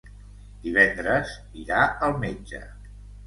Divendres irà al metge.